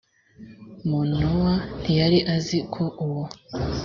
manowa ntiyari azi ko uwo